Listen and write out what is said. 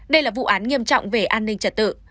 đây là vụ án nghiêm trọng về an ninh trật tự